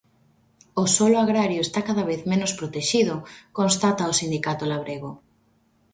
"O solo agrario está cada vez menos protexido", constata o Sindicato Labrego.